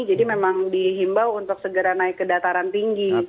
jadi memang dihimbau untuk segera naik ke dataran tinggi